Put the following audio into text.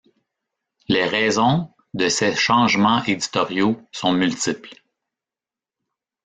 Les raisons de ces changements éditoriaux sont multiples.